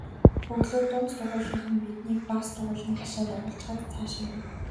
Өглөө дунд сургуулийнхан биднийг бага сургуулийн хашаанд оруулчихаад цаашаа явна.